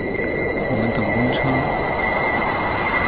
我们等公车